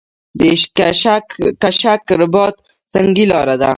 د کشک رباط سنګي لاره ده